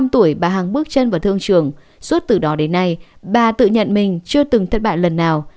bốn mươi tuổi bà hằng bước chân vào thương trường suốt từ đó đến nay bà tự nhận mình chưa từng thất bại lần nào